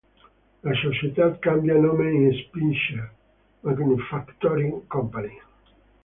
La società cambia nome in Spicer Manufacturing Company.